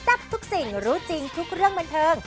ทับทุกสิ่งรู้จริงทุกเรื่องบันเทิง